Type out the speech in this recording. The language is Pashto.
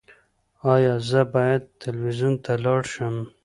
ایا زه باید تلویزیون ته لاړ شم؟